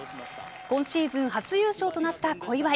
今シーズン初優勝となった小祝。